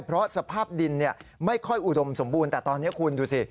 เพราะสภาพดินไม่ค่อยอุดมสมบูรณ์แต่ตอนนี้คุณดูสิ